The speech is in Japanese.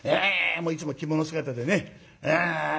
もういつも着物姿でね。